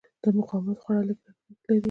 دا مقاومت خورا لږ لګښت لري.